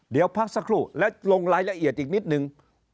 เดี๋ยวพักสักครู่แล้วลงรายละเอียดอีกนิดนึง